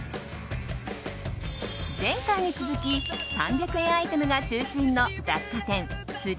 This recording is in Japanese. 前回に続き３００円アイテムが中心の雑貨店、３ＣＯＩＮＳ